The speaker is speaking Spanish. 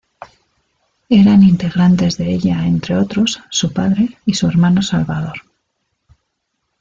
Eran integrantes de ella entre otros su padre y su hermano salvador.